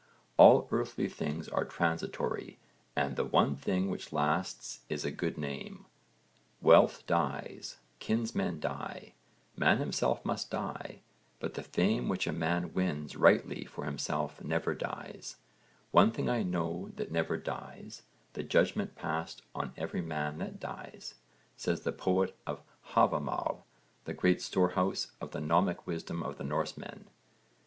All earthly things are transitory and the one thing which lasts is good fame. 'Wealth dies, kinsmen die, man himself must die, but the fame which a man wins rightly for himself never dies; one thing I know that never dies, the judgment passed on every man that dies,' says the poet of the Hávamál, the great storehouse of the gnomic wisdom of the Norsemen.